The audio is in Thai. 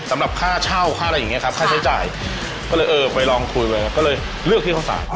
สำหรับค่าเช่าค่าอะไรอย่างเงี้ครับค่าใช้จ่ายก็เลยเออไปลองคุยไว้ครับก็เลยเลือกที่เข้าสาร